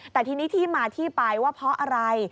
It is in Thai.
แต่ทีนี้ที่มาที่ไปว่าเพราะอะไร